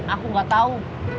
aku gak tau